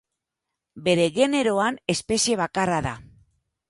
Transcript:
Bere generoan espezie bakarra da.